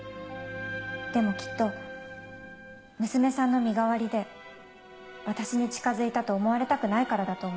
でもきっと娘さんの身代わりで私に近づいたと思われたくないからだと思います。